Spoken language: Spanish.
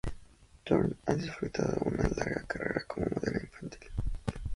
Thorne ha disfrutado de una larga carrera como modelo infantil.